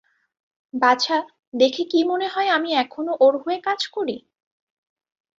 বাছা, দেখে কি মনে হয় আমি এখনো ওর হয়ে কাজ করি?